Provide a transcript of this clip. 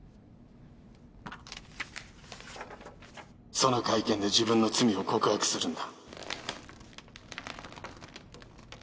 その会見で自分の罪を告白するんだ